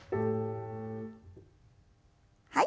はい。